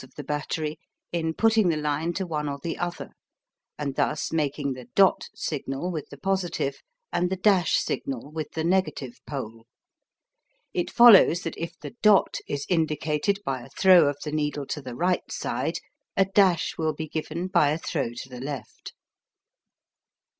of the battery, in putting the line to one or the other, and thus making the "dot" signal with the positive and the "dash" signal with the negative pole. It follows that if the "dot" is indicated by a throw of the needle to the right side, a "dash" will be given by a throw to the left.